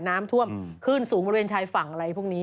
น้ำท่วมขึ้นสูงบริเวณชายฝั่งอะไรพวกนี้